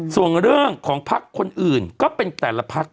ส่วนเรื่องของพักคนอื่นก็เป็นแต่ละพัก